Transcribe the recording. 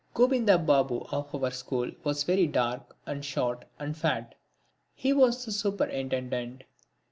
Gobinda Babu of our school was very dark, and short and fat. He was the Superintendent.